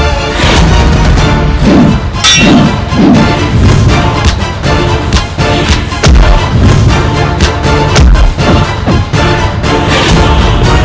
aku harus pergi dari sini